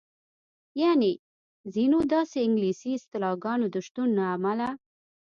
یعنې د ځینو داسې انګلیسي اصطلاحګانو د شتون له امله.